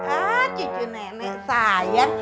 ah cucu nenek sayang